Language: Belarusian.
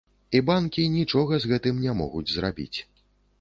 І банкі нічога з гэтым не могуць зрабіць.